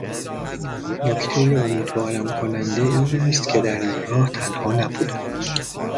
نکته امیدوارم کننده این است که در این راه تنها نبودم